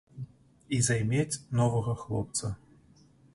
І займець новага хлопца.